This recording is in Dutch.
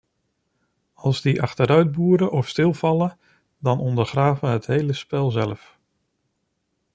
Als die achteruitboeren of stilvallen, dan ondergraven het hele spel zelf.